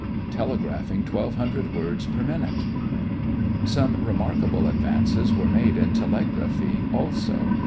TELEGRAPHING TWELVE HUNDRED WORDS PER MINUTE Some remarkable advances were made in telegraphy also.